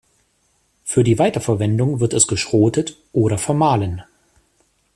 Für die Weiterverwendung wird es geschrotet oder vermahlen.